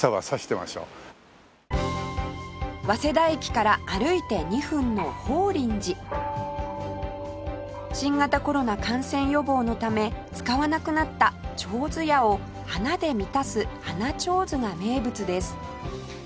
早稲田駅から歩いて２分の法輪寺新型コロナ感染予防のため使わなくなった手水舎を花で満たす花手水が名物です